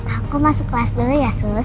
aku masuk kelas dulu ya sus